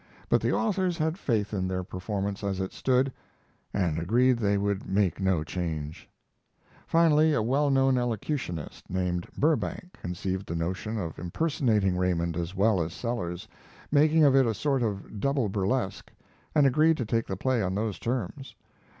But the authors had faith in their performance as it stood, and agreed they would make no change. Finally a well known elocutionist, named Burbank, conceived the notion of impersonating Raymond as well as Sellers, making of it a sort of double burlesque, and agreed to take the play on those terms.